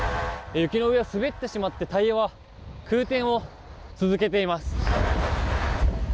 雪の上を滑ってしまってタイヤが空転を続けています。